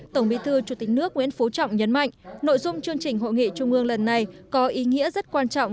tổng bí thư chủ tịch nước nguyễn phú trọng nhấn mạnh nội dung chương trình hội nghị trung ương lần này có ý nghĩa rất quan trọng